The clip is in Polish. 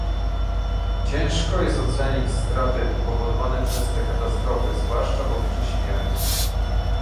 Ciężko jest ocenić straty powodowane przez te katastrofy, zwłaszcza w obliczu śmierci